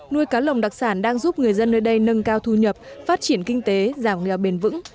nuôi cá lồng đặc sản đang giúp người dân nơi đây nâng cao thu nhập phát triển kinh tế giảm nghèo bền vững